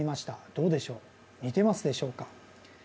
どうでしょう似てますでしょうか。